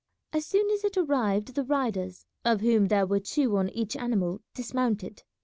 As soon as it arrived the riders, of whom there were two on each animal, dismounted.